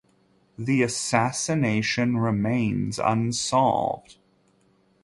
The assassination remains unsolved.